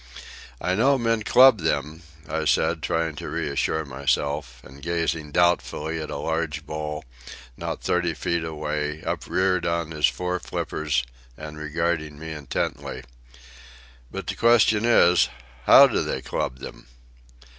"I know men club them," I said, trying to reassure myself, and gazing doubtfully at a large bull, not thirty feet away, upreared on his fore flippers and regarding me intently. "But the question is, How do they club them?"